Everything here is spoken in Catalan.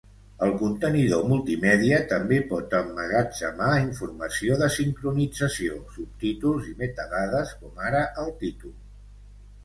El contenidor multimèdia també pot emmagatzemar informació de sincronització, subtítols i metadades, com ara el títol.